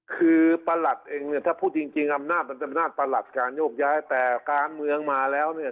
คือประหลัดเองเนี่ยถ้าพูดจริงอำนาจมันเป็นอำนาจประหลัดการโยกย้ายแต่การเมืองมาแล้วเนี่ย